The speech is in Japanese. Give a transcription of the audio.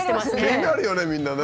気になるよねみんなね。